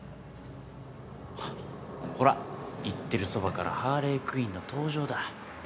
・ゴォーほら言ってるそばからハーレイ・クインの登場だ。